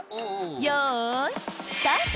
よいスタート！